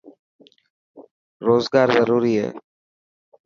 روزگار ضروري هي.